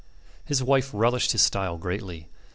His wife relished his style greatly.